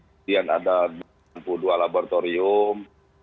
kemudian ada enam puluh dua laboratorium